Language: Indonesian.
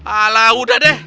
alah udah deh